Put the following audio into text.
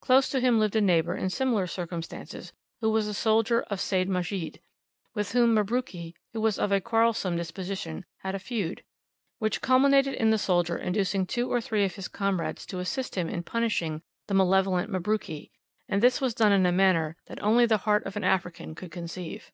Close to him lived a neighbour in similar circumstances, who was a soldier of Seyd Majid, with whom Mabruki, who was of a quarrelsome disposition, had a feud, which culminated in the soldier inducing two or three of his comrades to assist him in punishing the malevolent Mabruki, and this was done in a manner that only the heart of an African could conceive.